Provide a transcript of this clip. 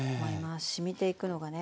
しみていくのがね